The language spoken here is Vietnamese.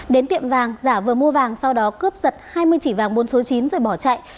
đến tiệm vàng giả vừa mua vàng sau đó cướp giật hai mươi chỉ vàng bốn số chín rồi bỏ chạy